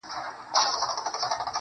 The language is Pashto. هغه نجلۍ چي هر ساعت به یې پوښتنه کول,